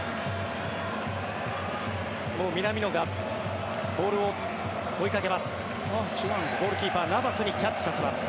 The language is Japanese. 南野がボールを追いかけます。